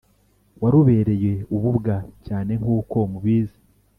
warubereye ububwa cyane nkuko mubizi